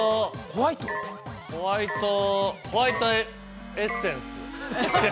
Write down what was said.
ホワイトエッセンス。